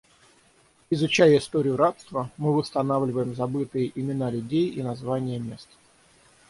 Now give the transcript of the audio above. Изучая историю рабства, мы восстанавливаем забытые имена людей и названия мест.